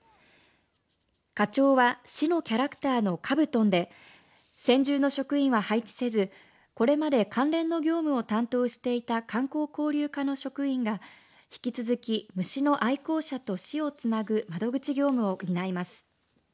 課長は市のキャラクターのカブトンで専従の職員を配置せずこれまで関連の業務を担当していた観光交流課の職員が引き続き虫の愛好者と市をつなぐ窓口業務を担います。